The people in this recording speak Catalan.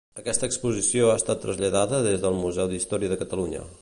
Aquesta exposició ha estat traslladada des del Museu d'Història de Catalunya.